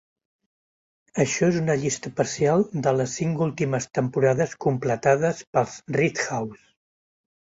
Això és una llista parcial de les cinc últimes temporades completades pels Redhawks.